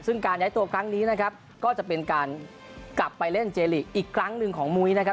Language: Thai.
ซึ่งการย้ายตัวครั้งนี้นะครับก็จะเป็นการกลับไปเล่นเจลีกอีกครั้งหนึ่งของมุ้ยนะครับ